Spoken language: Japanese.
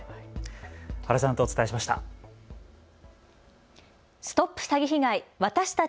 原さんとお伝えしました。